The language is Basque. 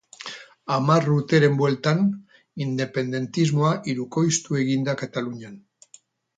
Hamar urteren bueltan, independentismoa hirukoiztu egin da Katalunian.